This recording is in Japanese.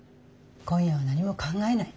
今夜は何も考えない。